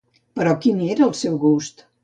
Però quin era el seu gust?